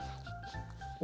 お？